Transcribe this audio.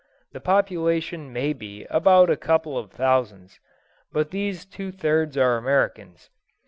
The population may be about a couple of thousands; of these two thirds are Americans.